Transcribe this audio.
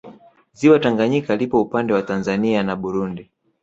Ziwa Tanganyika lipo upande wa Tanzania na Burundi